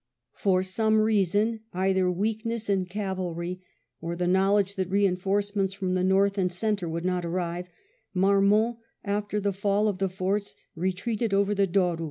For some reason, either weakness in cavalry or the knowledge that reinforcements from the north and centre would not arrive, Marmont, after the fall of the forts, retreated over the Douro.